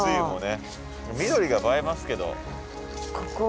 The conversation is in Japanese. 緑が映えますけど。